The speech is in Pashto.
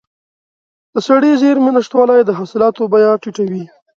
د سړې زېرمې نشتوالی د حاصلاتو بیه ټیټوي.